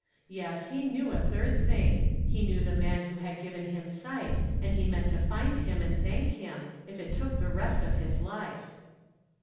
Yes, he knew a third thing; he knew the man who had given him sight, and he meant to find him and thank him, if it took the rest of his life.